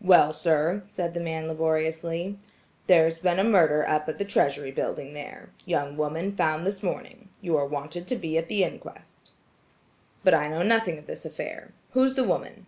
"Well, sir," said the man laboriously, "there's been a murder up at the Treasury building there. Young woman found this morning. You're wanted to be at the inquest." "But I know nothing of this affair. Who's the woman?"